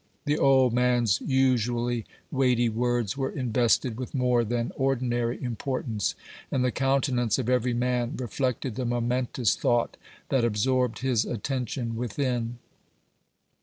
The old man's usually weighty words were invested with more than ordinary importance, and the countenance of every man re flected the momentous thought that absorbed his attention within.